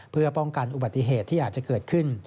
เพื่อป้องกันอุบัติเหตุที่อาจจะเกิดขึ้น